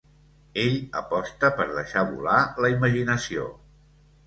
Ell aposta per deixar volar la imaginació.